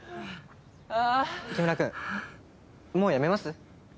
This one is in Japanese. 木村君もうやめます？